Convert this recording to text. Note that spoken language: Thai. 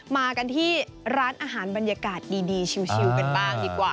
มากันที่ร้านอาหารบรรยากาศดีชิวกันบ้างดีกว่า